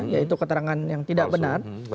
yaitu keterangan yang tidak benar